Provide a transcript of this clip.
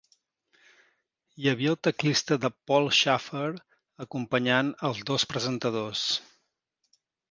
Hi havia el teclista de Paul Shaffer acompanyant als dos presentadors.